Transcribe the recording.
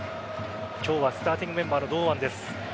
今日はスターティングメンバーの堂安です。